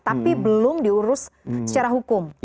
tapi belum diurus secara hukum